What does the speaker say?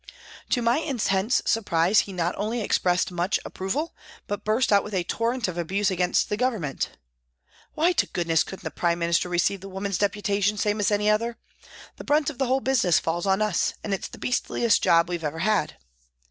To my intense surprise he not only expressed much approval, but burst out with a torrent of abuse against the Govern ment " Why to goodness couldn't the Prime Minister receive the women's deputation same as any other ? The brunt of the whole business falls on us, and it's the beastliest job we've ever had."